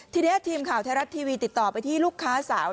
ทีนี้ทีมข่าวไทยรัฐทีวีติดต่อไปที่ลูกค้าสาว